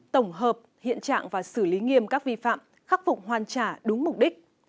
tổng hợp hiện trạng và xử lý nghiêm các vi phạm khắc phục hoàn trả đúng mục đích